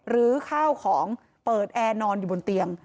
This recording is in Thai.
ื้อข้าวของเปิดแอร์นอนอยู่บนเตียง